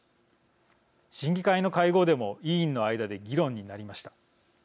審議会の会合でも委員の間で議論になりました。